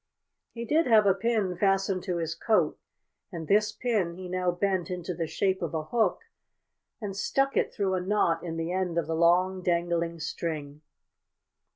He did have a pin fastened to his coat, and this pin he now bent into the shape of a hook and stuck it through a knot in the end of the long, dangling string.